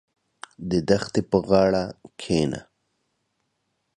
• د دښتې په غاړه کښېنه.